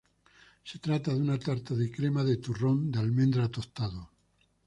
Se trata de una tarta de crema de turrón de almendra tostado.